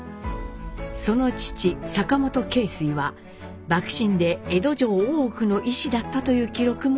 その父坂本敬水は幕臣で江戸城大奥の医師だったという記録も残っています。